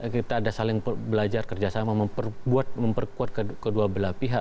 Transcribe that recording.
kita ada saling belajar kerjasama memperkuat kedua belah pihak